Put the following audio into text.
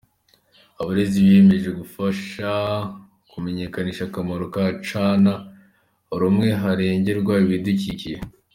Abarezi biyemeje gufasha kumenyekanisha akamaro ka cana rumwe harengerwa ibidukikije.